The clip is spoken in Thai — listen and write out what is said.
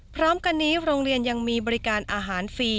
พร้อมกันนี้โรงเรียนยังมีบริการอาหารฟรี